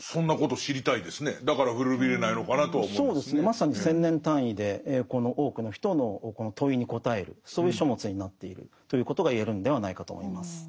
まさに１，０００年単位でこの多くの人の問いに答えるそういう書物になっているということが言えるんではないかと思います。